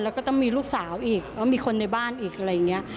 แล้วก็ต้องมีลูกสาวอีกแล้วมีคนในบ้านอีกอะไรอย่างนี้